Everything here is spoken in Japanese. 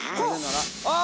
あ！